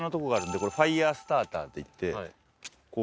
これファイヤースターターっていってこう。